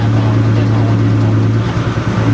นั่นไงรถเคน